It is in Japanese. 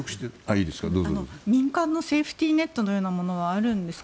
民間のセーフティーネットのようなものはあるんですか。